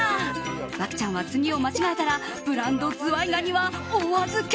漠ちゃんは次を間違えたらブランドズワイガニはお預け。